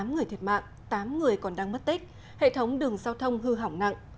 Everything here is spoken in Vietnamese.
tám người thiệt mạng tám người còn đang mất tích hệ thống đường giao thông hư hỏng nặng